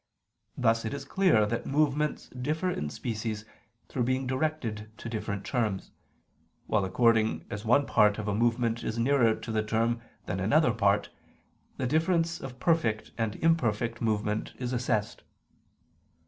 Thus it is clear that movements differ in species through being directed to different terms: while according as one part of a movement is nearer to the term than another part, the difference of perfect and imperfect movement is assessed.